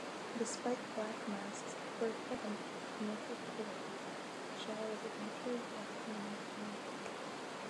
Despite "Black Mask's" critical and commercial popularity, Shaw was eventually fired from the magazine.